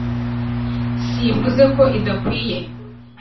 simvuze ko idakwiye